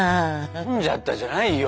飲んじゃったじゃないよ。